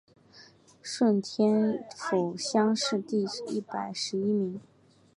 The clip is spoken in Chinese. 顺天府乡试第一百十一名。